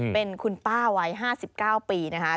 เป็นคุณป้าวัย๕๙ปีนะคะ